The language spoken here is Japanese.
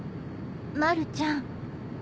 まるちゃん。